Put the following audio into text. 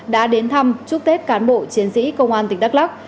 đã đến thăm chúc tết cán bộ chiến sĩ công an tỉnh đắk lắc